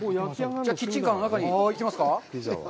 じゃあ、キッチンカーの中に行きますか。